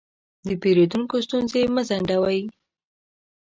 د پیرودونکو ستونزې مه ځنډوئ.